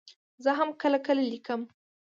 زه هم کله کله لیکم.